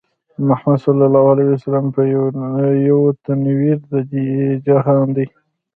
محمدص چې يو تنوير د دې جهان دی